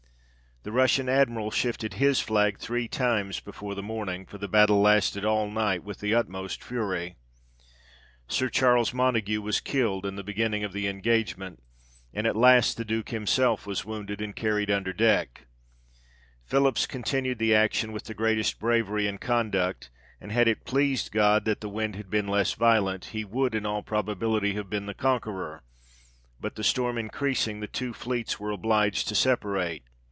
The Russian Admiral shifted his flag three times before the morning ; for the battle lasted all night with the utmost fury. Sir Charles Montague was killed in the beginning of the engagement ; and at last the Duke himself was wounded, 1 November 3, 1900. H THE REIGN OF GEORGE VI. and carried under deck ; Philips continued the action with the greatest bravery and conduct, and had it pleased God that the wind had been less violent, he would, in all probability, have been the conqueror ; but the storm increasing, the two fleets were obliged to separate.